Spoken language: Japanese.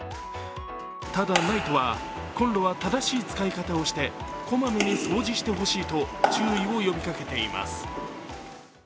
ただＮＩＴＥはコンロは正しい使い方をしてこまめに掃除してほしいと注意を呼びかけています。